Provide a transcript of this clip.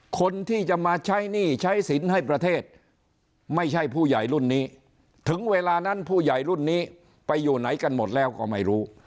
คนที่จะมาใช้หนี้ใช้สินให้ประเทศไม่ใช่ผู้ใหญ่รุ่นนี้ถึงเวลานั้นผู้ใหญ่รุ่นนี้ไปอยู่ไหนกันหมดแล้วก็ไม่รู้